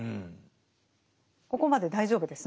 ここまで大丈夫ですね。